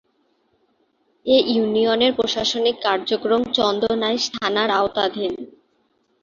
এ ইউনিয়নের প্রশাসনিক কার্যক্রম চন্দনাইশ থানার আওতাধীন।